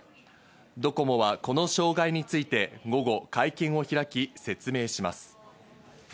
ドコモはこの障害について午後、会見を開き、説明します。